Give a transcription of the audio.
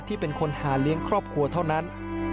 เป็นคนหาเลี้ยงครอบครัวเท่านั้น